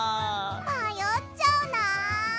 まよっちゃうな。